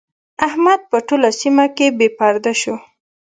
احمد په ټوله سيمه کې بې پردې شو.